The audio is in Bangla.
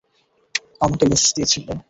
আমাকে মেসেজ দিয়েছিল।